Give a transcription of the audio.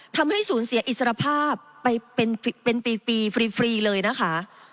ทำให้สูญเสียอิสรภาพไปเป็นปีฟรีเลยนะคะ